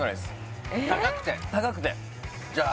高くてじゃあ？